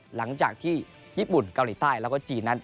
หลังจากที่ญี่ปุ่นเกาหลีใต้แล้วก็จีนนั้น